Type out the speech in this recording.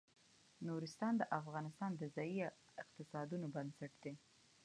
نورستان د افغانستان د ځایي اقتصادونو بنسټ دی.